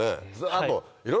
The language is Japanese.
あと。